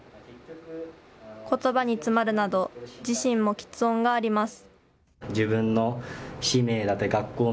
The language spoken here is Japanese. ことばに詰まるなど自身もきつ音があります。